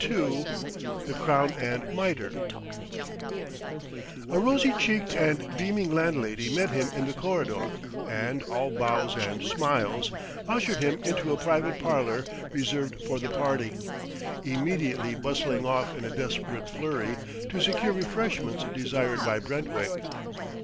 II THE CROWN AND MITRE A rosy cheeked and beaming landlady met him in the corridor and, all bows and smiles, ushered him into a private parlor reserved for the party, immediately bustling off in a desperate flurry, to secure refreshments desired by Brentwick.